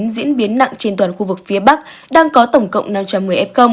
diễn biến nặng trên toàn khu vực phía bắc đang có tổng cộng năm trăm một mươi f